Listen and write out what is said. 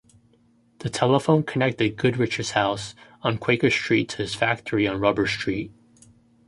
The telephone connected Goodrich's house on Quaker Street to his factory on Rubber Street.